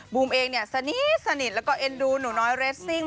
มูมเองเนี่ยสนิทแล้วก็เอ็นดูหนูน้อยเรสซิ่ง